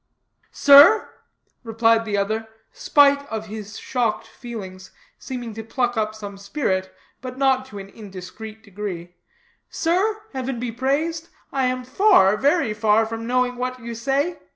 "Sir," replied the other, spite of his shocked feelings seeming to pluck up some spirit, but not to an indiscreet degree, "Sir, heaven be praised, I am far, very far from knowing what you say.